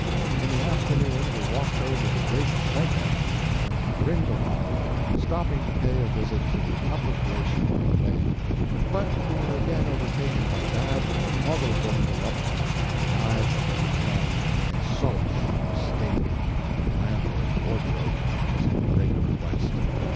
In the afternoon we walked over the Great Scheideck to Grindelwald, stopping to pay a visit to the Upper glacier by the way; but we were again overtaken by bad HOGGLEBUMGULLUP and arrived at the hotel in a SOLCHE a state that the landlord's wardrobe was in great request.